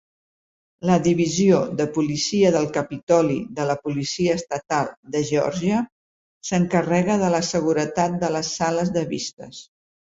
La divisió de policia del Capitoli de la Policia Estatal de Georgia s'encarrega de la seguretat de les sales de vistes.